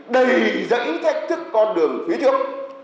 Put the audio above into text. đầy dãy cách thức con đường phía trước